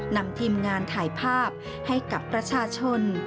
นำทีมงานถ่ายภาพให้กับประชาชน